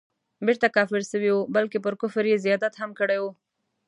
بیرته کافر سوی وو بلکه پر کفر یې زیادت هم کړی وو.